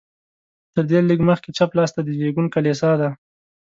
تر دې لږ مخکې چپ لاس ته د زېږون کلیسا ده.